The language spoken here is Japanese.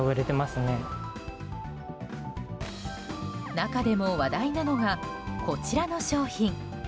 中でも、話題なのがこちらの商品。